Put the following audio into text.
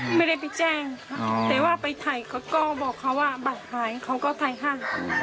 แต่ว่าบัตรหายเขาก็ไปถ่ายท่อบอกว่ากันน่าจะเป็นไห้